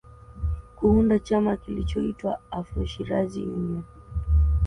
Kuunda chama kilichoitwa Afro Shirazi Union